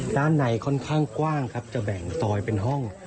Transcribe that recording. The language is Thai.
ด้านในค่อนข้างกว้างครับจะแบ่งซอยเป็นห้อง